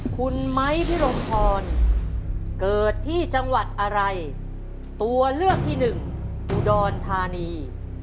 คุณไม้พิรมพรเกิดที่จังหวัดอะไรตัวเลือกที่หนึ่งอุดรธานี